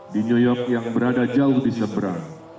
di nyuyop yang berada jauh di seberang